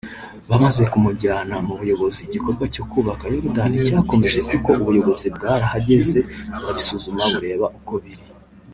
Bamaze kumujyana mu buyobozi igikorwa cyo kubaka yorudani cyarakomeje kuko ubuyobozi bwarahageze burabisuzuma bureba uko biri